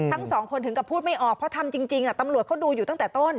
ทั้งสองคนถึงกับพูดไม่ออกเพราะทำจริงตำรวจเขาดูอยู่ตั้งแต่ต้น